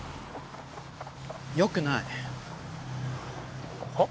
よくないはっ？